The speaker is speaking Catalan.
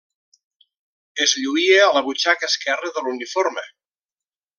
Es lluïa a la butxaca esquerra de l'uniforme.